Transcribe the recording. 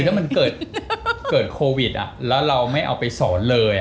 แล้วมันเกิดโควิดแล้วเราไม่เอาไปสอนเลย